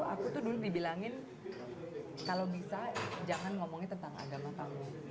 aku tuh dulu dibilangin kalau bisa jangan ngomongin tentang agama kamu